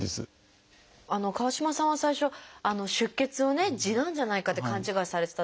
川島さんは最初出血をね痔なんじゃないかって勘違いされてた。